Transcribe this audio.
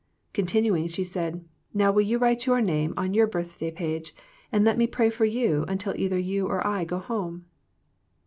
Continuing, she said, " Now, will you write your name on your birthday page, and let me pray for you until either you or I go home."